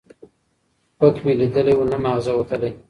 ـ پک مې ليدلى وو، نه معاغزه وتلى.